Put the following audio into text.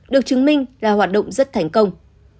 được chứng minh là hoạt động rất thành công